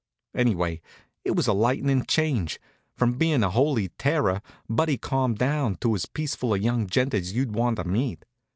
Anyway, it was a lightnin' change. From being a holy terror, Buddy calmed down to as peaceful a young gent as you'd want to meet.